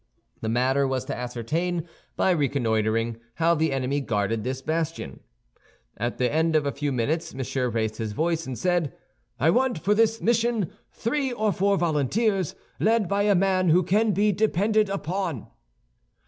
The matter was to ascertain, by reconnoitering, how the enemy guarded this bastion. At the end of a few minutes Monsieur raised his voice, and said, "I want for this mission three or four volunteers, led by a man who can be depended upon."